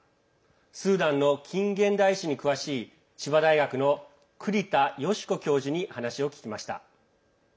スーダンの近現代史に詳しい千葉大学の栗田禎子教授に話を聞きました。